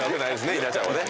稲ちゃんはね。